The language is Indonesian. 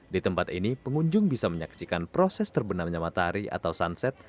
di tempat ini pengunjung bisa menyaksikan proses terbenamnya matahari atau sunset